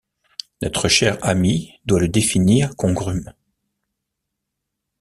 Notre cher ami doit le définir congrûm...